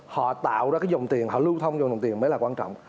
họ tạo ra cái dòng tiền họ lưu thông dòng tiền mới là quan trọng